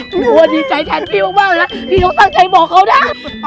กลัวดีใจแทนพี่มากแล้วพี่เขาตั้งใจบอกเขานะ